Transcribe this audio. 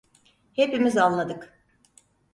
Hepimiz anladık!